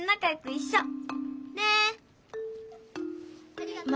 ありがとう。